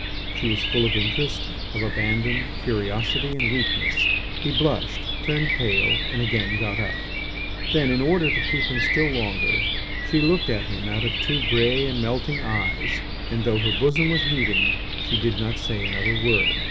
She was full of interest, of abandon, curiosity, and weakness. He blushed, turned pale, and again got up. Then, in order to keep him still longer, she looked at him out of two grey and melting eyes, and though her bosom was heaving, she did not say another word.